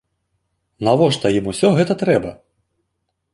Навошта ім усё гэта трэба?